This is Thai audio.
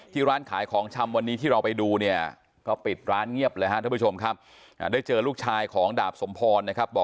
ที่ร้านขายของชำวันนี้ที่เราไปดูเนี่ยติดร้านเงียบเลยนะครับทุกผู้ชมครับ